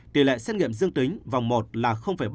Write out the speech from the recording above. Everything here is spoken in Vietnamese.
tỷ lệ xét nghiệm dương tính vòng một là ba